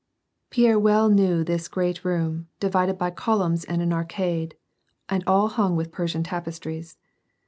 Pierre well knew^ this great room, divided by columns and an arcade, and all hung with Persian tapestries.